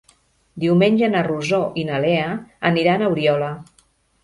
Diumenge na Rosó i na Lea aniran a Oriola.